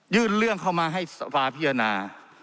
ยื่นเรื่องเข้ามาให้สภาพิวนา